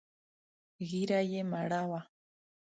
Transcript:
ږيره يې مړه وه.